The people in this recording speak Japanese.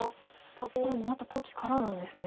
プロになった時からなんですね。